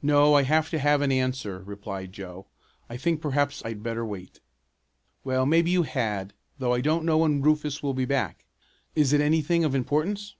"No, I have to have an answer," replied Joe. "I think perhaps I'd better wait." "Well, maybe you had, though I don't know when Rufus will be back. Is it anything of importance?"